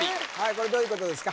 これどういうことですか？